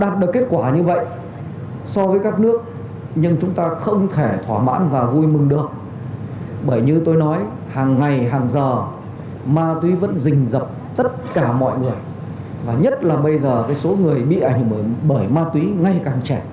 mà tuy vẫn rình rập tất cả mọi người nhất là bây giờ số người bị ảnh bởi ma túy ngay càng trẻ